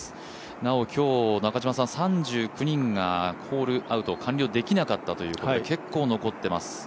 なお今日、３９人がホールアウト完了できなかったということで結構残っています。